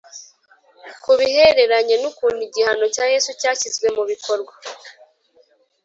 Ku bihereranye n ukuntu igihano cya Yesu cyashyizwe mu bikorwa